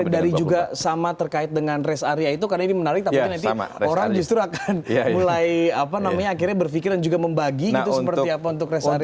dari juga sama terkait dengan rest area itu karena ini menarik tapi nanti orang justru akan mulai apa namanya akhirnya berpikir dan juga membagi gitu seperti apa untuk rest area